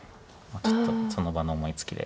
ちょっとその場の思いつきで。